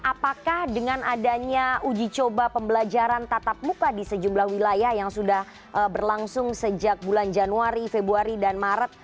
apakah dengan adanya uji coba pembelajaran tatap muka di sejumlah wilayah yang sudah berlangsung sejak bulan januari februari dan maret